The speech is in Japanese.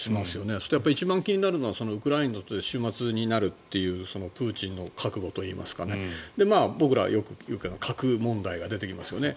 そうすると一番気になるのはウクライナにとっての終末になるというプーチンの覚悟といいますか僕ら、よく言うけど核問題が出てきますよね。